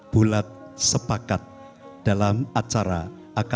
bulat sepakat dalam acara akad nikah